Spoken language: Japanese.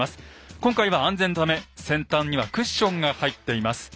今回は安全のため先端にはクッションが入っています。